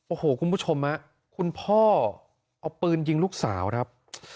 โอ้โหคุณผู้ชมคุณพ่อเอาปืนยิงลูกสาวครับ